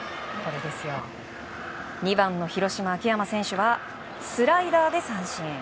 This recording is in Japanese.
２番の広島、秋山選手はスライダーで三振。